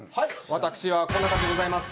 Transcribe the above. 私はこんな感じでございます。